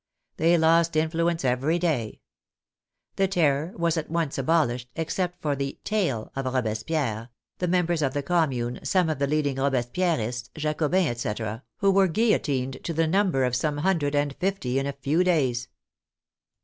They lost influence every day. The Terror was at once abolished, except for the tail " of Robespierre, the members of the Commune, some of the leading Robespierrists, Jacobins, etc., who were guillotined to the number of some hundred and fifty in a few days.